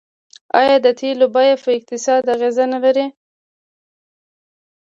آیا د تیلو بیه په اقتصاد اغیز نلري؟